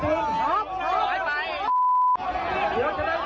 อยู่ครบ